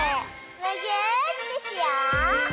むぎゅーってしよう！